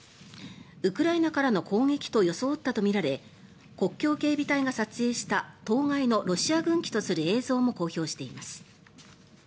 ウクライナからの攻撃と装ったとみられ国境警備隊が撮影した当該のロシア軍機とする映像も公表しています。